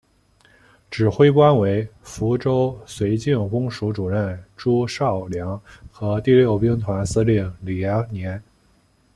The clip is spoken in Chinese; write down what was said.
指挥官为福州绥靖公署主任朱绍良和第六兵团司令李延年。